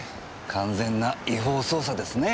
完全な違法捜査ですね。